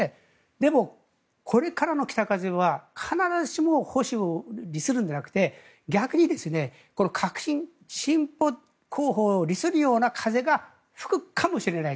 でも、これからの北風は必ずしも保守に利するんじゃなくて逆に革新進歩候補を利するような風が吹くかもしれない。